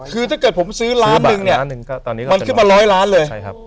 คือถ้าเกิดผมซื้อล้านหนึ่งเนี่ยมันขึ้นมาร้อยล้านเลย